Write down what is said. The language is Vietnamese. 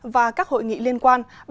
và các hội nghị liên quan